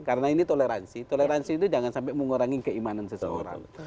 karena ini toleransi toleransi itu jangan sampai mengurangi keimanan seseorang